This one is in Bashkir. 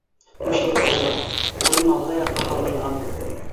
Түшәк әҙер, урын алғы яҡҡа һалынған